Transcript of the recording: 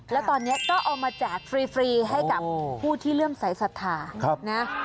แล้วตอนนี้ก็เอามาแจกฟรีให้กับผู้ที่เริ่มสายศรัทธานะ